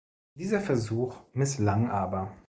Dieser Versuch misslang aber.